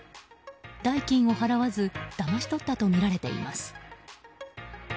代金を払わずだまし取ったとみられています。